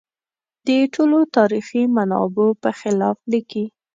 د ټولو تاریخي منابعو په خلاف لیکي.